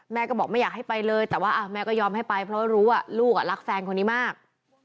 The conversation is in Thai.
แม่ก็บอกไม่อยากให้ไปเลยแต่ว่าแม่ก็ยอมให้ไปเพราะว่ารู้ว่าลูกรักแฟนคนนี้มาก